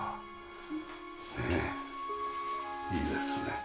ねえいいですね。